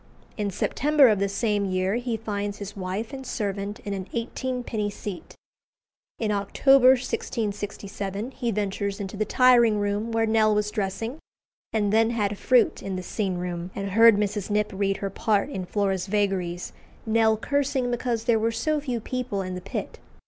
In September of the same year he finds his wife and servant in an eighteenpenny seat. In October 1667 he ventures into the tiring room where Nell was dressing, and then had fruit in the scene room, and heard Mrs. Knipp read her part in "Flora's Vagaries," Nell cursing because there were so few people in the pit.